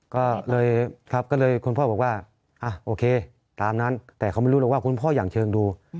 ก็เลยคุณพ่อบอกว่าโอเคตามนั้นแต่เขาไม่รู้หรอกว่าคุณพ่ออย่างเชิงดู